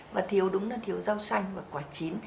và thiếu đúng là thiếu rau xanh và quả chín